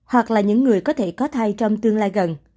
hoặc là những người có thể có bệnh lý nền